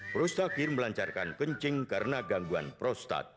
prostakir melancarkan kencing karena gangguan prostat